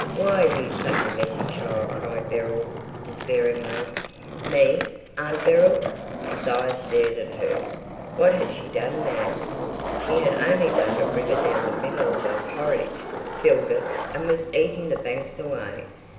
Why are you such a messy child!" cried Beryl despairingly. "Me, Aunt Beryl?" Kezia stared at her. What had she done now? She had only dug a river down the middle of her porridge, filled it, and was eating the banks away.